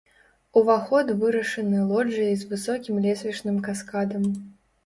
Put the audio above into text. Уваход вырашаны лоджыяй з высокім лесвічным каскадам.